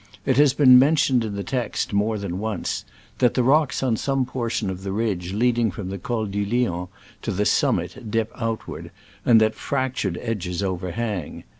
It has been mentioned in the text, more than once, that the rocks on some portions of the ridge leading from the Col du Lion to the summit dip outward, and that fractured edges overhang.